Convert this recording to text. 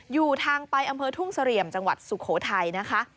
อยู่ทางไปอำเภอทุ่งเสลี่ยมจังหวัดสุโขทัยนะคะ